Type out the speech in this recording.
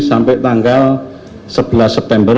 sampai tanggal sebelas september